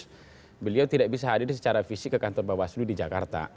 di lampung yang harus diurus beliau tidak bisa hadir secara fisik ke kantor bawaslu di jakarta